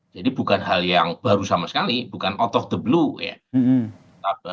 jadi bukan hal yang baru sama sekali bukan out of the blue ya